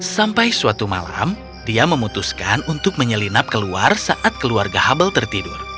sampai suatu malam dia memutuskan untuk menyelinap keluar saat keluarga hubble tertidur